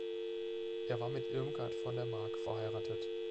Er war mit Irmgard von der Mark verheiratet.